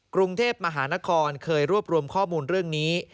กรุงเทพมหานครเคยรวบรวมข้อมูลเรื่องนี้